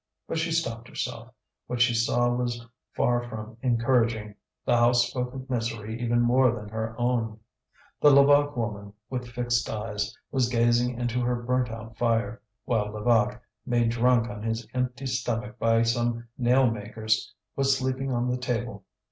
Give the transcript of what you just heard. But she stopped herself. What she saw was far from encouraging; the house spoke of misery even more than her own. The Levaque woman, with fixed eyes, was gazing into her burnt out fire, while Levaque, made drunk on his empty stomach by some nail makers, was sleeping on the table.